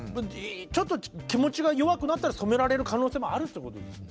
ちょっと気持ちが弱くなったら染められる可能性もあるってことですか？